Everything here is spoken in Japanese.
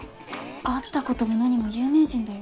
会ったことも何も有名人だよ。